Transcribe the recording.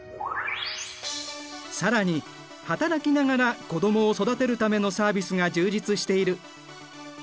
更に働きながら子どもを育てるためのサービスが充実している。